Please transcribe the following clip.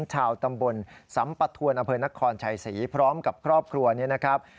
ชาวตำบลสัมปะทวนอำเภอนครชัยศรีพร้อมกับครอบครัวนี้นะครับ